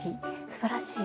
すばらしい！